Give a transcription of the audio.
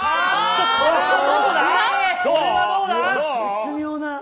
絶妙な。